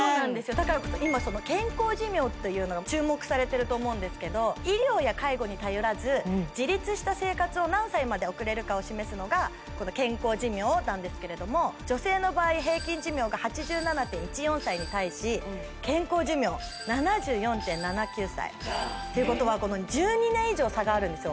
だから今健康寿命というのが注目されてると思うんですけど医療や介護に頼らず自立した生活を何歳まで送れるかを示すのがこの健康寿命なんですけれども女性の場合平均寿命が８７．１４歳に対し健康寿命７４．７９歳ということは１２年以上差があるんですよ